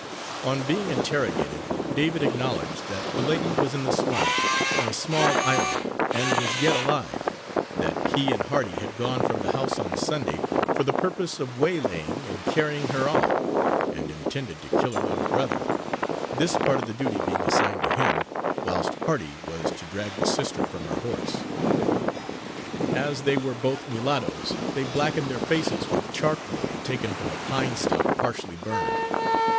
On being interrogated, David acknowledged that the lady was in the swamp, on a small island, and was yet alive that he and Hardy had gone from the house on Sunday, for the purpose of waylaying and carrying her off, and intended to kill her little brother this part of the duty being assigned to him, whilst Hardy was to drag the sister from her horse. As they were both mulattos, they blacked their faces with charcoal, taken from a pine stump partially burned.